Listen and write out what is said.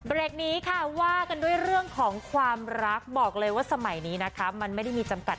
นี้ค่ะว่ากันด้วยเรื่องของความรักบอกเลยว่าสมัยนี้นะคะมันไม่ได้มีจำกัด